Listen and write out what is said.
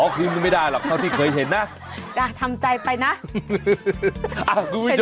อ๋อคือมันไม่ได้หรอกเท่าที่เคยเห็นนะอ่ะทำใจไปนะอ่ะคุณผู้ชม